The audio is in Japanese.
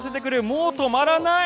もう止まらない！